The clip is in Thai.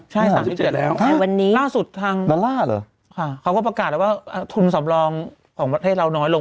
ใช่๓๗แล้วล่าสุดทางดอลลาร์เหรอเขาก็ประกาศแล้วว่าทุนสำรองของประเทศเราน้อยลง